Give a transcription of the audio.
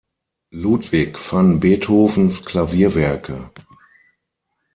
Ludwig van Beethovens Klavierwerke